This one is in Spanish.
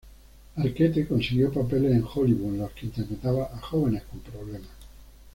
Arquette consiguió papeles en Hollywood, en los que interpretaba a jóvenes con problemas.